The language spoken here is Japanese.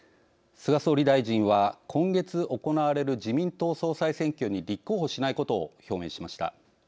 菅総理大臣は、今月行われる自民党総裁選挙に立候補しないことを表明しました。